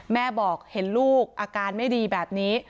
แม่บอกเห็นลูกอาการไม่ดีแบบนี้